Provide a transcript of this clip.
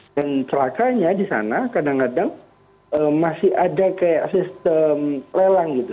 dan selakanya di sana kadang kadang masih ada kayak sistem lelang gitu